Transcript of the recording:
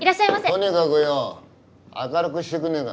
とにかくよぅ明るくしてくんねえか。